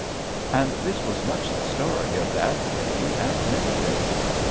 And this was much the story of that day and many days.